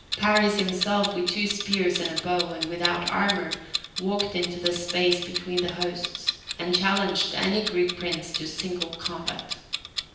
Paris himself, with two spears and a bow, and without armour, walked into the space between the hosts, and challenged any Greek prince to single combat.